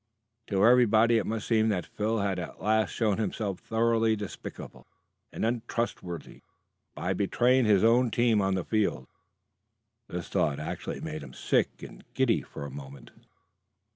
To everybody it must seem that Phil had at last shown himself thoroughly despicable and untrustworthy by betraying his own team on the field. This thought actually made him sick and giddy for a moment.